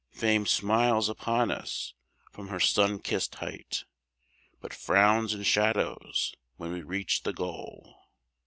Fame smiles upon us from her sun kissed height, But frowns in shadows when we reach the goal.